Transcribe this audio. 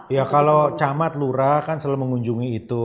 ya kalau camat lurah kan selalu mengunjungi itu